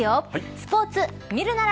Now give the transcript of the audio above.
スポーツ見るなら。